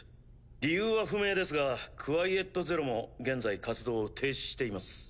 理由は不明ですがクワイエット・ゼロも現在活動を停止しています。